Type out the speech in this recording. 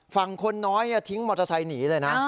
ฝั่งคนน้อยทิ้งมอเตอร์ไซค์หนีเลยนะ